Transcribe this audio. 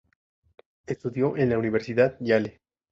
Estudió en la Universidad Yale.